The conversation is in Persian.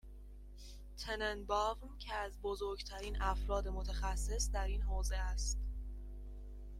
تننباوم که از بزرگترین افراد متخصّص در این حوزه است.